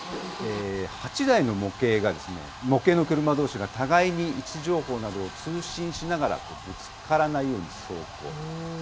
８台の模型が、模型の車どうしが互いに位置情報などを通信しながらぶつからないように走行。